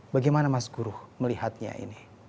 bagaimana mas guru melihatnya ini